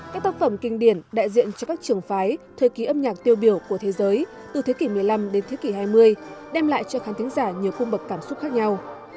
các tác phẩm kinh điển đại diện cho các trường phái thời kỳ âm nhạc tiêu biểu của thế giới từ thế kỷ một mươi năm đến thế kỷ hai mươi đem lại cho khán tính giả nhiều khung bậc cảm xúc khác nhau